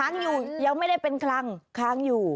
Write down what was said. ค้างอยู่ยังไม่ได้เป็นคลังค้างอยู่